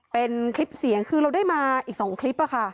เป็นคลิปเสียงคือเราได้มาอีก๒คลิปค่ะ